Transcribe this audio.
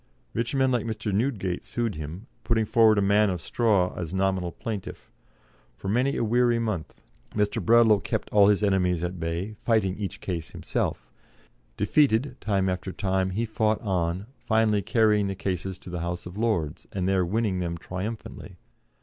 Rich men like Mr. Newdegate sued him, putting forward a man of straw as nominal plaintiff; for many a weary month Mr. Bradlaugh kept all his enemies at bay, fighting each case himself; defeated time after time, he fought on, finally carrying the cases to the House of Lords, and there winning them triumphantly.